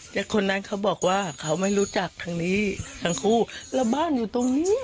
แต่คนนั้นเขาบอกว่าเขาไม่รู้จักทางนี้ทั้งคู่แล้วบ้านอยู่ตรงนี้